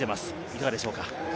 いかがでしょうか？